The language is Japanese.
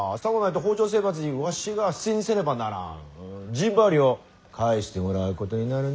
陣羽織を返してもらうことになるに。